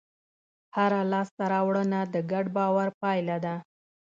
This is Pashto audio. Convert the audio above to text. هره لاستهراوړنه د ګډ باور پایله ده.